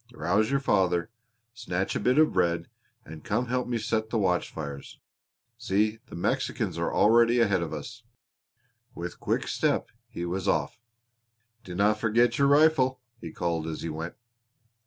Rouse your father, snatch a bit of bread, and come and help me set the watch fires. See, the Mexicans are already ahead of us." With quick step he was off. "Dinna forget your rifle," he called as he went.